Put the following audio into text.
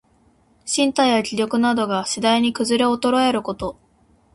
身体や気力などが、しだいにくずれおとろえること。